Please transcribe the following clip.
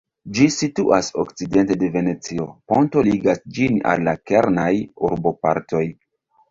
Ĝi situas okcidente de Venecio; ponto ligas ĝin al la kernaj urbopartoj.